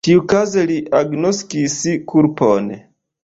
Tiukaze li agnoskis kulpon.